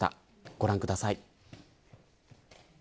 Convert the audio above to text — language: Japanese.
ご覧ください。